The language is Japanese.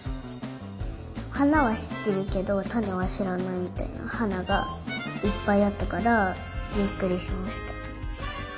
はなはしってるけどたねはしらないみたいなはながいっぱいあったからびっくりしました。